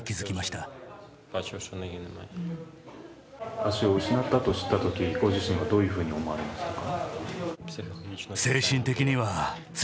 足を失ったと知ったとき、ご自身はどういうふうに思われましたか？